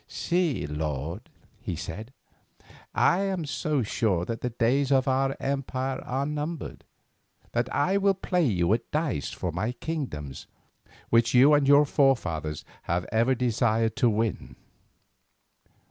"See, Lord," he said, "I am so sure that the days of our empire are numbered, that I will play you at dice for my kingdoms which you and your forefathers have ever desired to win."